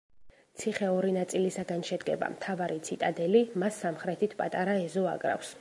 ციხე ორი ნაწილისაგან შედგება: მთავარი ციტადელი, მას სამხრეთით პატარა ეზო აკრავს.